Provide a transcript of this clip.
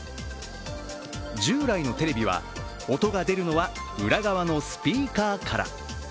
従来のテレビは音が出るのは裏側のスピーカーから。